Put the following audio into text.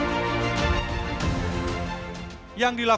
baju persebaya di surabaya